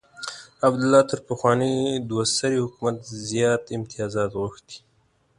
عبدالله تر پخواني دوه سري حکومت زیات امتیازات غوښتي.